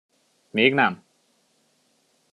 Még nem!